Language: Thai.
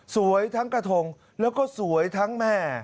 สวยทั้งกระทงแล้วก็สวยทั้งแม่